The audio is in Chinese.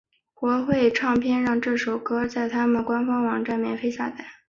国会唱片让这首歌在他们官方网站上免费下载。